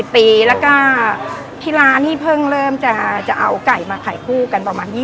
ปีแล้วก็ที่ร้านนี่เพิ่งเริ่มจะเอาไก่มาขายคู่กันประมาณ๒๐